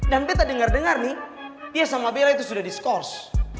dan bete dengar dengar nih dia sama bella itu sudah diskors